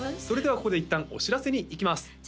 それではここでいったんお知らせにいきます